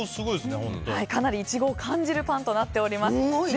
かなりイチゴを感じるパンとなっています。